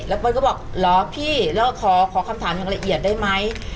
เปิ้ลก็บอกเหรอพี่แล้วขอคำถามอย่างละเอียดได้ไหม